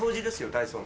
ダイソンで。